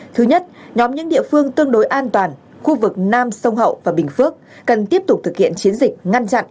thứ nhất nhóm những địa phương tương đối an toàn khu vực nam sông hậu và bình phước cần tiếp tục thực hiện chiến dịch ngăn chặn